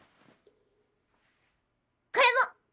これも！